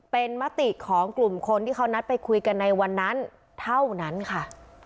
เป็นมติของกลุ่มคนที่เขานัดไปคุยกันในวันนั้นเท่านั้นค่ะ